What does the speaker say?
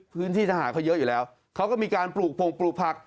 พื้นที่ทหารเขาเยอะอยู่แล้วเขาก็มีการปลูกผงปลูกผัก